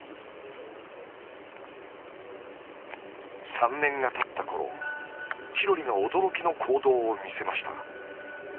３年がたった頃チロリが驚きの行動を見せました。